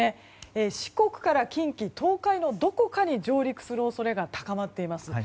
四国から近畿・東海のどこかに上陸する恐れが高まっています。